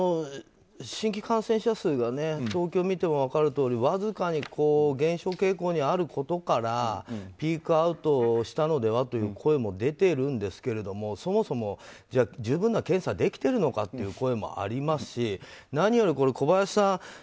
新規感染者数が東京を見ても分かるとおりわずかに減少傾向にあることからピークアウトしたのでは？という声も出ているんですけどもそもそもじゃあ十分な検査ができているのかという声がありますし、何より小林さん